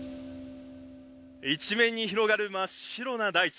一面に広がる真っ白な大地。